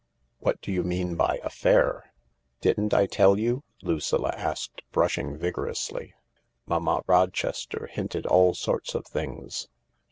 " What do you mean by ' affair '?"" Didn't I tell you ?" Lucilla asked, brushing vigorously. " Mamma Rochester hinted all sorts of things